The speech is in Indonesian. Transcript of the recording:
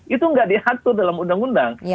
itu nggak diatur dalam undang undang